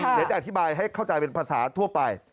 เดี๋ยวจะอธิบายให้เข้าใจเป็นภาษาทั่วไป